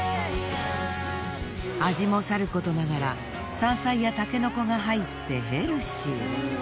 味もさることながら山菜やタケノコが入ってヘルシー。